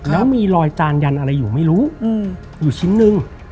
แล้วมีรอยจานยันอะไรอยู่ไม่รู้อยู่ชิ้นนึง